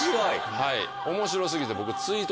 はい。